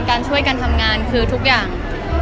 การช่วยกันทำงานคือทุกอย่าง